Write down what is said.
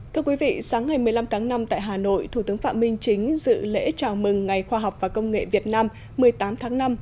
thưa quý vị sáng ngày một mươi năm tháng năm tại hà nội thủ tướng phạm minh chính dự lễ chào mừng ngày khoa học và công nghệ việt nam một mươi tám tháng năm